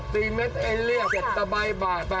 ๖สีเม็ดเอเลีย๗ตะใบบาท